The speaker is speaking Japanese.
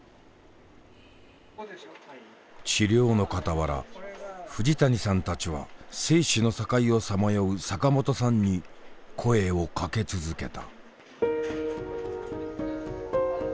治療の傍ら藤谷さんたちは生死の境をさまよう坂本さんに声をかけ続けた。